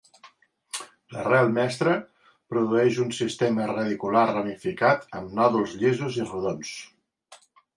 L'arrel mestra produeix un sistema radicular ramificat amb nòduls llisos i rodons.